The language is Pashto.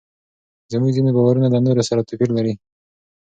زموږ ځینې باورونه له نورو سره توپیر لري.